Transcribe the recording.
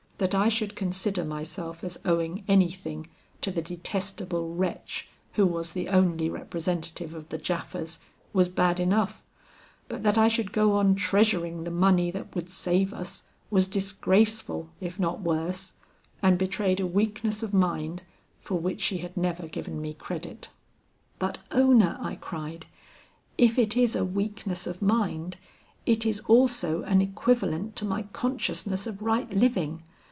That I should consider myself as owing anything to the detestable wretch who was the only representative of the Japhas, was bad enough, but that I should go on treasuring the money that would save us, was disgraceful if not worse, and betrayed a weakness of mind for which she had never given me credit. "'But Ona,' I cried, 'if it is a weakness of mind, it is also an equivalent to my consciousness of right living.